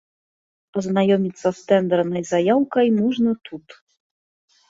Азнаёміцца з тэндэрнай заяўкай можна тут.